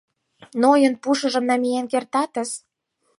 — Нойын пушыжым намиен кертатыс.